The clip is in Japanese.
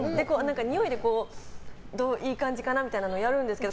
においでいい感じかなみたいなのやるんですけど。